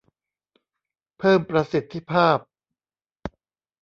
เพิ่มประสิทธิภาพ